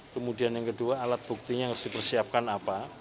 kemudian yang kedua alat buktinya harus dipersiapkan apa